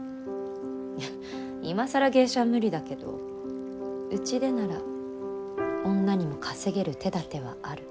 いや今更芸者は無理だけどうちでなら女にも稼げる手だてはある。